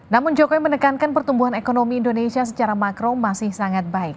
namun jokowi menekankan pertumbuhan ekonomi indonesia secara makro masih sangat baik